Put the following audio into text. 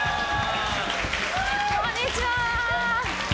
こんにちは！